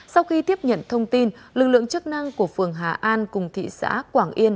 sau khi tiếp nhận thông tin lực lượng chức năng của phường hà an cùng thị xã quảng yên